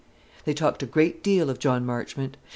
They talked a great deal of John Marchmont.